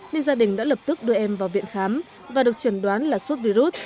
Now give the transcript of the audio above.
nên gia đình đã lập tức đưa em vào viện khám và được chẩn đoán là sốt virus